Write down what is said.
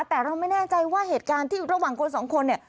แต่เราไม่แน่ใจว่าเหตุการณ์ที่ระหว่างคนสองคนเนี่ย